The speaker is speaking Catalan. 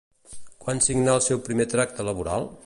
Quan signà el seu primer tracte laboral?